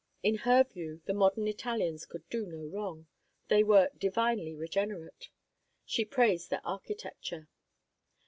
In her view, the modern Italians could do no wrong; they were divinely regenerate. She praised their architecture.